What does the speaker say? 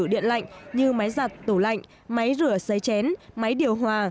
điện lạnh như máy giặt tủ lạnh máy rửa xấy chén máy điều hòa